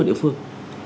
ở địa phương